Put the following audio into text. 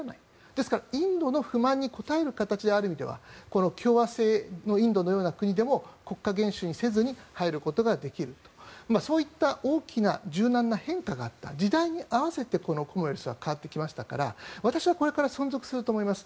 ですからインドの不満に応える形である意味では共和制のインドのような国でも国家元首にせずに入ることができるそういった柔軟な変化があった時代に合わせてコモンウェルスは変わってきましたから私はこれから存続すると思います。